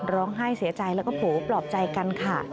ร้องไห้เสียใจแล้วก็โผล่ปลอบใจกันค่ะ